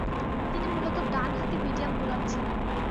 তিনি মূলতঃ ডানহাতি মিডিয়াম বোলার ছিলেন।